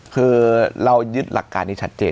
คือเรายึดหลักการที่ชัดเจน